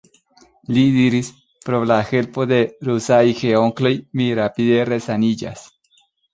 Li diris: Pro la helpo de rusaj geonkloj mi rapide resaniĝas.